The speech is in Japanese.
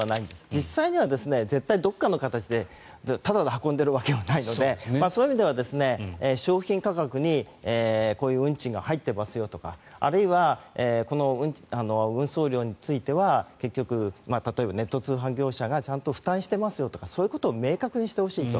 実際には絶対にどこかの形でタダで運んでいるわけではないのでそういう意味では商品価格にこういう運賃が入っていますよとかあるいはこの運送料については結局、例えば、ネット通販業者がちゃんと負担していますよとかそういうことを明確にしてほしいと。